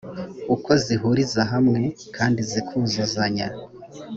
uko zihuriza hamwe kandi zikuzuzanya